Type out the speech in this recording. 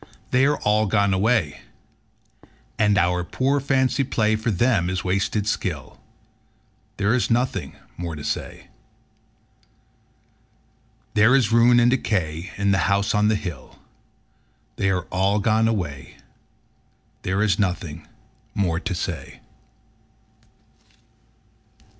They are all gone away. And our poor fancy play For them is wasted skill: There is nothing more to say. There is ruin and decay In the House on the Hill They are all gone away, There is nothing more to say.